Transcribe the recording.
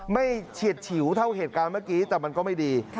เฉียดฉิวเท่าเหตุการณ์เมื่อกี้แต่มันก็ไม่ดี